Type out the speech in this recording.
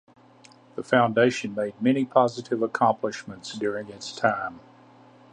The Foundation made many positive accomplishments during its time.